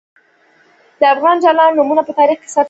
د افغان جنرالانو نومونه په تاریخ کې ثبت دي.